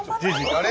あれ？